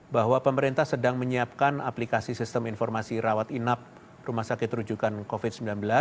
bahwa pemerintah sedang menyiapkan aplikasi sistem informasi rawat inap rumah sakit rujukan covid sembilan belas